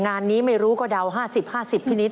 งานนี้ไม่รู้ก็เดา๕๐๕๐พี่นิด